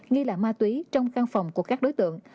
nghi là ma túy trong căn phòng của các đối tượng